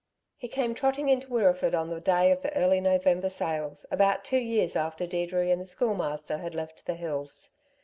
He came trotting into Wirreeford on the day of the early November sales, about two years after Deirdre and the Schoolmaster had left the hills.